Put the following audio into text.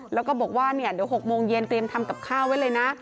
แล้วก็บอกว่าเดี๋ยว๖โมงเย็นเตรียมทำกับข้าวไว้เลยนะ